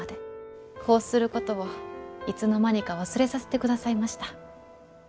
こうすることをいつの間にか忘れさせてくださいました。